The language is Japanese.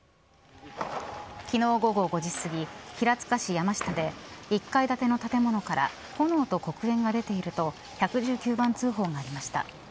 昨日午後５時すぎ平塚市山下で１階建ての建物から炎と黒煙が出ていると１１９番通報がありました。